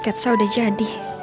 sketcha udah jadi